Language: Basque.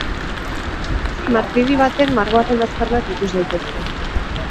Martiri baten margoaren aztarnak ikus daitezke.